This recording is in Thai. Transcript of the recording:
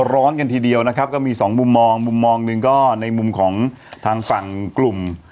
ร้อนกันทีเดียวนะครับก็มีสองมุมมองมุมมองหนึ่งก็ในมุมของทางฝั่งกลุ่ม